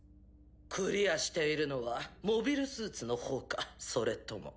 クリアしているのはモビルスーツの方かそれとも。